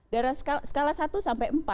dari skala satu sampai empat